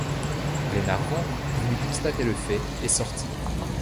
Glenarvan voulut constater le fait, et sortit.